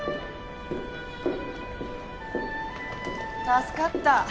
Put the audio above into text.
助かった。